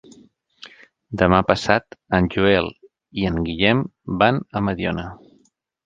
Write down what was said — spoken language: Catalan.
Demà passat en Joel i en Guillem van a Mediona.